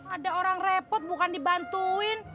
ada orang repot bukan dibantuin